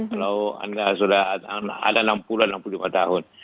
kalau sudah ada enam puluh enam puluh lima tahun